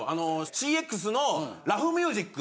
ＣＸの『ラフミュージック』。